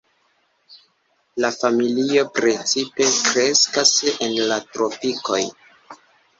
La familio precipe kreskas en la tropikoj.